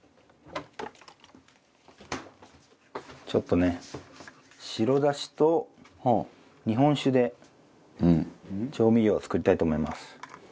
ちょっとね白だしと日本酒で調味料を作りたいと思います。